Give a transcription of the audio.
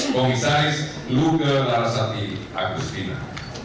komisaris lugelarasati agustina